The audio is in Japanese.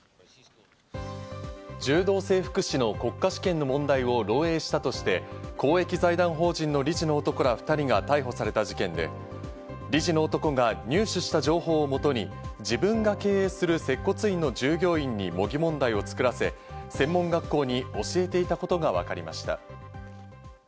柔道整復師の国家試験の問題を漏えいしたとして、公益財団法人の理事の男ら２人が逮捕された事件で、理事の男が入手した情報をもとに、自分が経営する接骨院の従業員に模擬問題を作らせ、専門学校に教えていたことがわかりました。